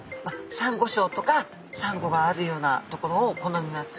サンゴしょうとかサンゴがあるようなところを好みます。